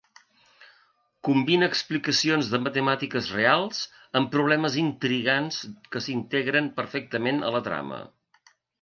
Combina explicacions de matemàtiques reals amb problemes intrigants que s'integren perfectament a la trama.